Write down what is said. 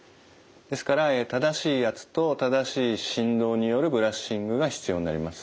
ですから正しい圧と正しい振動によるブラッシングが必要になります。